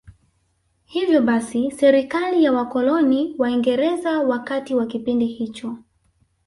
Hivyo basi serikali ya wakoloni Waingereza wakati wa kipindi hicho